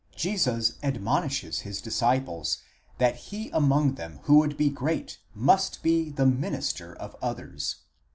Jesus admonishes his disciples that he among them who would be great must be the minister διάκονος of the others